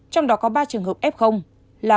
trong đó có ba trường hợp f là